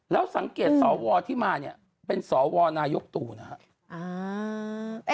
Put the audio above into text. แล้วสังเกตสอดวาท์ที่มาเนี่ยเป็นสอดวาวนายกตู่นะฮะ